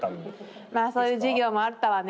まあそういう事業もあったわね。